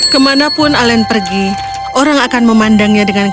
kemana pun alen pergi orang akan memandangnya dengan kaget